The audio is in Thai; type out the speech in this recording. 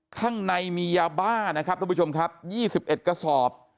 ข้างในมียาบ้านะครับทุกผู้ชมครับ๒๑กระสอบ